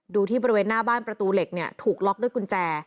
ที่บริเวณหน้าบ้านประตูเหล็กเนี่ยถูกล็อกด้วยกุญแจ